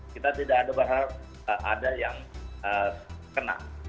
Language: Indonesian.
kita tidak ada berharap ada yang kena